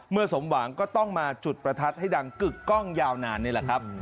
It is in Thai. สมหวังก็ต้องมาจุดประทัดให้ดังกึกกล้องยาวนานนี่แหละครับ